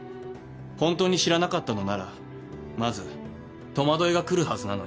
本当に知らなかったのならまず戸惑いがくるはずなのに。